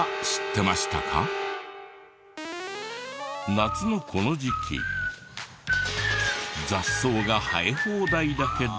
夏のこの時期雑草が生え放題だけど。